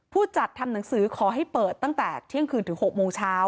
ผู้จัดทำหนังสือขอให้เปิดตั้งแต่เที่ยงคืนถึง๖โมงเช้า